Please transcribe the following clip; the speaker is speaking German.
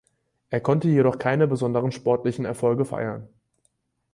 Er konnte jedoch keine besonderen sportlichen Erfolge feiern.